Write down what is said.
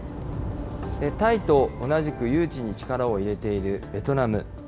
タイと同じく誘致に力を入れているベトナム。